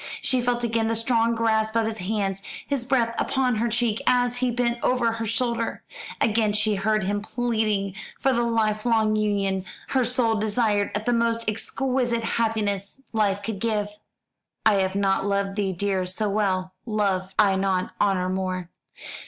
She felt again the strong grasp of his hands, his breath upon her cheek, as he bent over her shoulder. Again she heard him pleading for the life long union her soul desired as the most exquisite happiness life could give. "I had not loved thee, dear, so well Loved I not honour more."